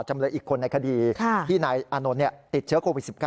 จำเลยอีกคนในคดีที่นายอานนท์ติดเชื้อโควิด๑๙